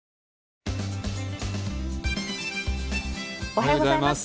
おはようございます。